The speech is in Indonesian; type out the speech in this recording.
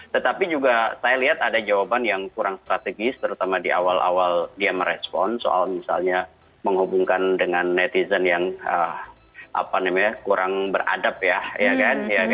tetapi juga saya lihat ada jawaban yang kurang strategis terutama di awal awal dia merespon soal misalnya menghubungkan dengan netizen yang kurang beradab ya kan